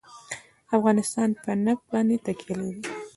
افغانستان په نفت باندې تکیه لري.